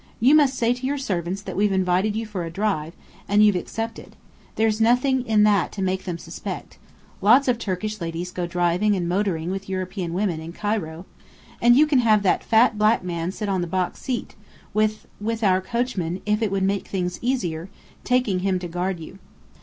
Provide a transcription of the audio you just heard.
You must say to your servants that we've invited you to drive, and you've accepted. There's nothing in that to make them suspect. Lots of Turkish ladies go driving and motoring with European women, in Cairo. And you can have that fat black man sit on the box seat, with with our coachman, if it would make things easier, taking him to guard you.